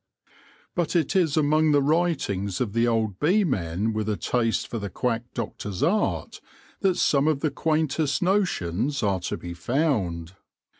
But it is among the writings of the old bee men with a taste for the quack doctor's art that some of the quaintest notions are to be found.